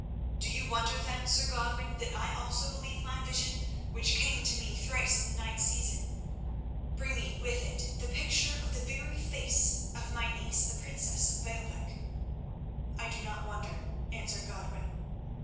Do you wonder, then, Sir Godwin, that I also believe my vision which came to me thrice in the night season, bringing with it the picture of the very face of my niece, the princess of Baalbec?" "I do not wonder," answered Godwin.